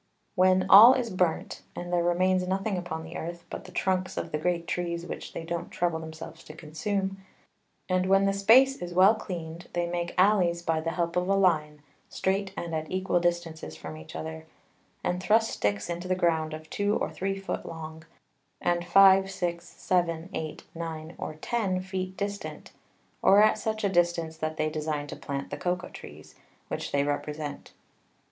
When all is burnt, and there remains nothing upon the Earth, but the Trunks of the great Trees which they don't trouble themselves to consume, and when the Space is well cleaned, they make Alleys by the help of a Line, strait and at equal Distances from each other, and thrust Sticks into the Ground of two or three Foot long, and 5, 6, 7, 8, 9 or 10 Feet distant, or at such a distance that they design to plant the Cocao Trees, which they represent.